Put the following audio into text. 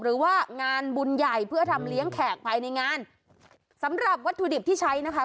หรือว่างานบุญใหญ่เพื่อทำเลี้ยงแขกภายในงานสำหรับวัตถุดิบที่ใช้นะคะ